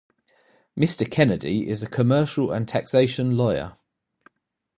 Mr Kennedy is a commercial and taxation lawyer.